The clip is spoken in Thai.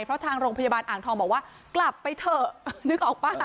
เพราะทางโรงพยาบาลอ่างทองบอกว่ากลับไปเถอะนึกออกป่ะ